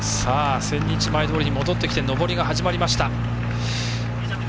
千日前通に戻ってきて上りが始まりました。